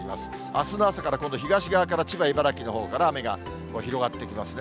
あすの朝から今度、東側から千葉、茨城のほうから雨が広がってきますね。